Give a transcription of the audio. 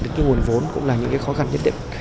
đến nguồn vốn cũng là những khó khăn nhất định